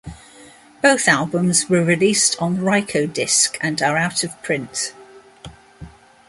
Both albums were released on Rykodisc and are out of print.